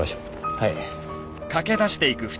はい。